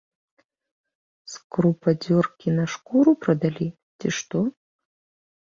З крупадзёркі на шкуру прадалі, ці што?